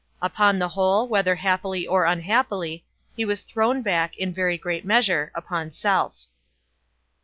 Upon the whole, whether happily or unhappily, he was thrown back, in very great measure, upon self.